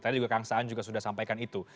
tadi juga kang saan juga sudah sampaikan itu